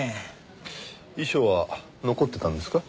遺書は残ってたんですか？